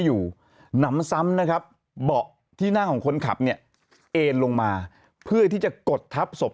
หนำซ้ำนะครับเบาะที่นั่งของคนขับเนี่ยเอ็นลงมาเพื่อที่จะกดทับศพ